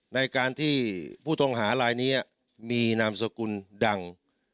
ในการที่ผู้ต้องหาลายนี้มีนามสกุลดัง